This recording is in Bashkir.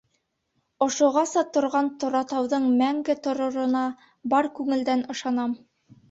Ошоғаса торған Торатауҙың мәңге торорона бар күңелдән ышанам.